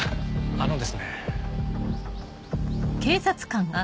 あのですね。